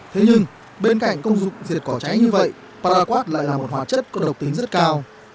thế nhưng bên cạnh công dụng diệt cỏ trái như vậy paraquad lại là một hóa chất có độc tính rất cao